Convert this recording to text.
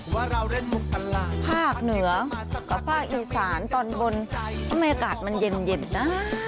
เฮ้ภาคเหนือกับภาคอีสานตอนบนอเมย์อากาศมันเย็นนะ